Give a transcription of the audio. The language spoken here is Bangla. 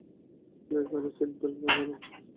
দয়া করে সিট বেল্ট বেঁধে নাও।